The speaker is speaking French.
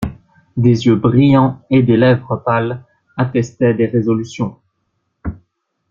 Des yeux brillants et des lèvres pâles attestaient des résolutions.